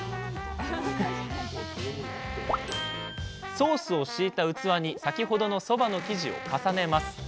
ソースを敷いた器に先ほどのそばの生地を重ねます。